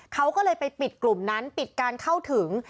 เขาก็เลยไปปิดกลุ่มนั้นปิดการเข้าถึง